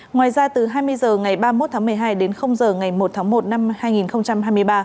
ngoài ra từ hai mươi h ngày ba mươi một tháng một mươi hai đến giờ ngày một tháng một năm hai nghìn hai mươi ba